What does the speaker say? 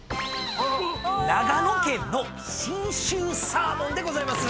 長野県の信州サーモンでございます。